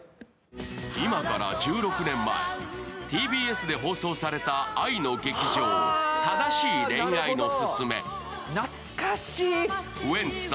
今から１６年前、ＴＢＳで放送された愛の劇場「正しい恋愛のススメ」。